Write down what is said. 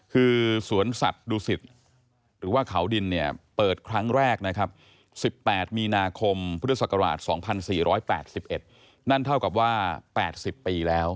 คือสวนสัตว์ดูสิตหรือว่าเขาดินเนี่ยเปิดครั้งแรกนะครับ๑๘มีนาคมพุทธศักราช๒๔๘๑นั่นเท่ากับว่า๘๐ปีแล้ว